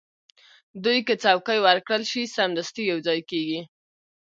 دوی که څوکۍ ورکړل شي، سمدستي یو ځای کېږي.